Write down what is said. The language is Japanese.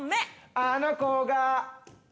「あの子が」